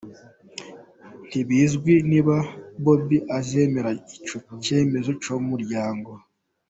Ntibizwi niba Bobbi azemera icyo cyemezo cy’umuryango.